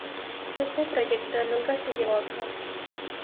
Este proyecto nunca se llevó a cabo.